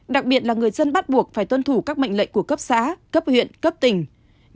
đặc biệt là người dân bắt buộc phải tuân thủ các mệnh lệnh của cấp xã cấp huyện cấp tỉnh